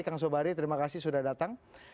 kang sobari terima kasih sudah datang